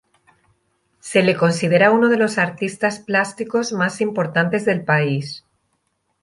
Se le considera uno de los artistas plásticos más importantes del país.